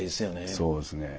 そうですね。